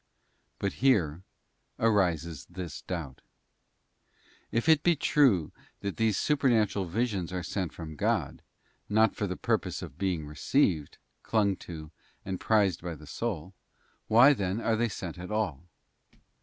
But here arises this doubt; if it be true that these super natural visions are sent from God, not for the purpose of being received, clung to, and prized by the soul, why then are they sent at all?